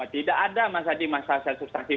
tidak ada mas adi masalah secara substansi